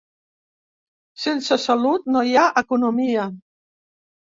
Sense salut no hi ha economia.